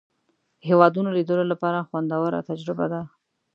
د هېوادونو لیدلو لپاره خوندوره تجربه ده.